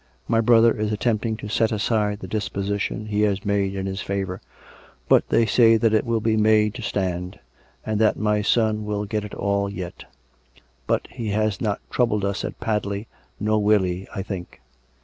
My brother is attempting to set aside the disposition he had made in his favour; but they say that it will be made to stand; and that my son will get it all yet. But he has not troubled us at Padley ; nor will he, I think."